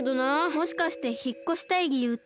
もしかしてひっこしたいりゆうって。